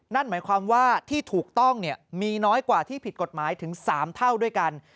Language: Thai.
นั่นหมายความว่าที่ถูกต้องมีน้อยกว่าที่ผิดกฎหมายถึง๓เท่าด้วยกัน